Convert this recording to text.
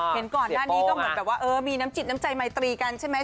เห็นก่อนหน้านี้ก็เหมือนแบบว่าเออมีน้ำจิตน้ำใจไมตรีกันใช่ไหม